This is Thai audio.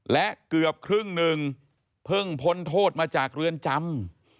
และเกือบครึ่งหนึ่งเพิ่งพ้นโทษมาจากเรือนจำ